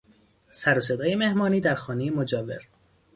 سر و صدای مهمانی در خانهی مجاور